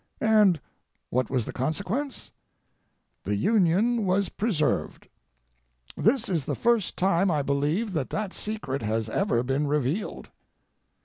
And what was the consequence? The Union was preserved. This is the first time I believe that that secret has ever been revealed.